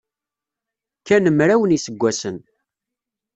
Kkan mraw n yiseggasen.